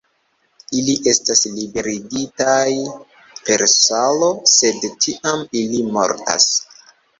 Ili estas liberigitaj per salo, sed tiam ili mortas.